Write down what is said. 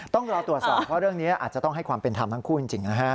ต้องรอตรวจสอบว่าเรื่องนี้อาจจะต้องให้ความเป็นธรรมทั้งคู่จริงนะฮะ